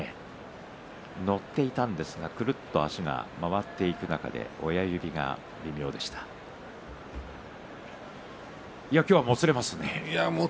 乗っていたんですがくるっと足が回っていく中で今日はもつれますね。